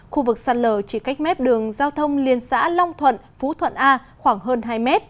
khu vực sạt lở chỉ cách mép đường giao thông liên xã long thuận phú thuận a khoảng hơn hai m